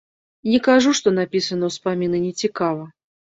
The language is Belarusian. Не кажу, што напісаны ўспаміны нецікава.